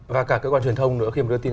và cả cơ quan truyền thông nữa khi mà đưa tin